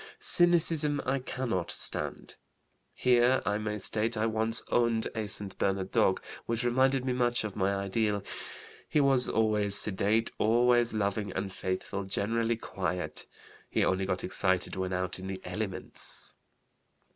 Cynicism I cannot stand. (Here I may state I once owned a St. Bernard dog which reminded me much of my ideal. He was always sedate, always loving, and faithful; generally quiet. He only got excited when out in the elements.)